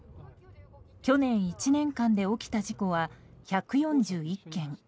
去年１年間で起きた事故は１４１件。